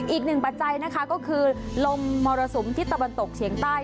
อีกหนึ่งปัจจัยนะคะก็คือลมมรสุมที่ตะวันตกเฉียงใต้